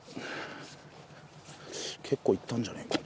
結構いったんじゃねえか？